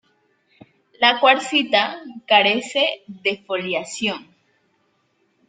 La cuarcita carece de foliación.